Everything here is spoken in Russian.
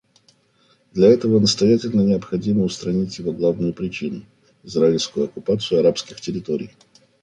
Для этого настоятельно необходимо устранить его главную причину — израильскую оккупацию арабских территорий.